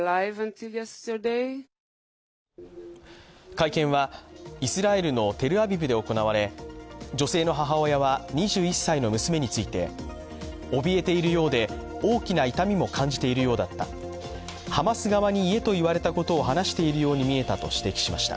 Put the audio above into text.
会見はイスラエルのテルアビブで行われ女性の母親は２１歳の娘について、脅えているようで大きな痛みも感じているようだった、ハマス側に言えと言われたことを話しているように見えたと指摘しました。